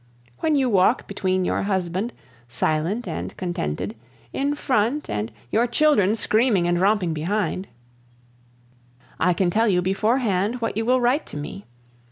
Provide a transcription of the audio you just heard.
When you walk between your husband, silent and contented, in front, and your children screaming and romping behind, I can tell you beforehand what you will write to me.